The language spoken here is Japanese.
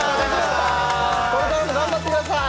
これからも頑張ってください